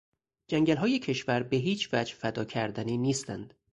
جنگلهای کشور به هیچ وجه فدا کردنی نیستند.